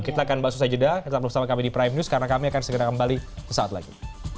kita akan bawa semua jeda tetap bersama kami di prime news karena kami akan segera kembali ke saat lagi